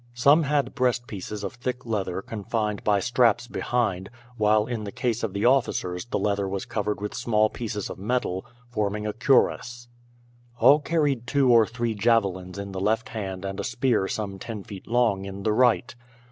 Some had breastpieces of thick leather confined by straps behind; while in the case of the officers the leather was covered with small pieces of metal, forming a cuirass. All carried two or three javelins in the left hand and a spear some ten feet long in the right.